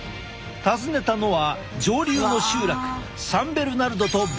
訪ねたのは上流の集落サン・ベルナルドとビサル。